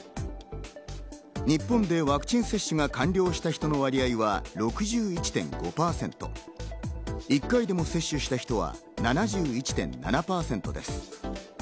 日本でワクチン接種が完了した人の割合は６１．５％１回でも接種した人は７１．７％です。